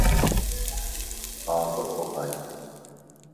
ھاڻ ڪوتو کائي